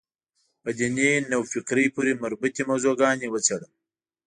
په دیني نوفکرۍ پورې مربوطې موضوع ګانې وڅېړم.